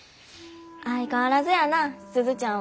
相変わらずやな鈴ちゃんは。